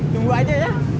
tunggu aja ya